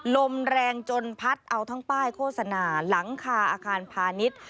ลมแรงจนพัดเอาทั้งป้ายโฆษณาหลังคาอาคารพาณิชย์